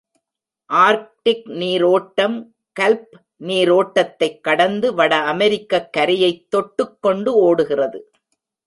Arctic நீரோட்டம் Gulf நீரோட்டத்தைக் கடந்து, வட அமெரிக்கக் கரையைத் தொட் டுக்கொண்டு ஓடுகிறது.